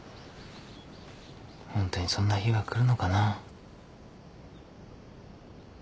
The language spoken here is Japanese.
ホントにそんな日が来るのかな。